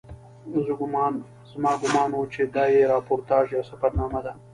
زما ګومان و چې دا یې راپورتاژ یا سفرنامه ده.